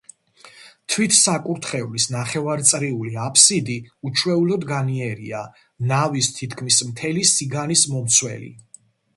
თვით საკურთხევლის ნახევარწრიული აფსიდი უჩვეულოდ განიერია, ნავის თითქმის მთელი სიგანის მომცველი.